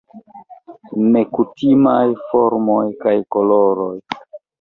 Nekutimaj formoj kaj koloroj.